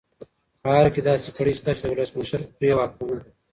په ارګ کې داسې کړۍ شته چې د ولسمشر پرې واکمنه ده.